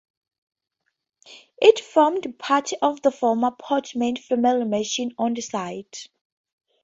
It formed part of the former Portman family mansion on the site.